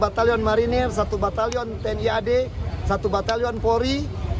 batalion marinir satu batalion tni ad satu batalion polri